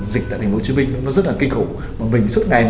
dịch tại thành phố hồ chí minh nó rất là kinh khủng